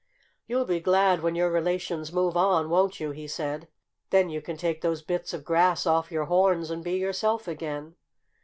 "You'll be glad when your relations move on, won't you?" he said. "Then you can take those bits of grass off your horns and be yourself again."